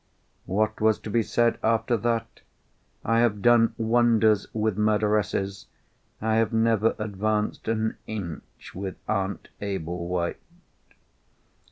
What was to be said after that? I have done wonders with murderesses—I have never advanced an inch with Aunt Ablewhite.